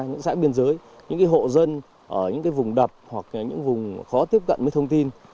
những dãi biên giới những hộ dân ở những vùng đập hoặc những vùng khó tiếp cận với thông tin